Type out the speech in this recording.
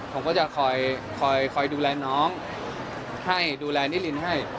ผมก็จะคอยดูแลน้องให้ดูแลนิรินให้